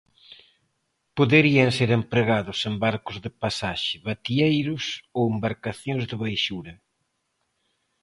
Poderían ser empregados en barcos de pasaxe, bateeiros ou embarcacións de baixura.